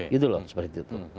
gitu loh seperti itu